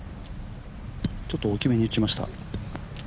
ちょっと大きめに打ちました。